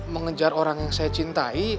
mengejar orang yang saya cintai